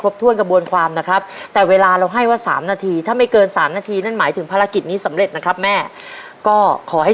พวกแม่เวลามันเดินไปเรื่อยครับแม่จ๋า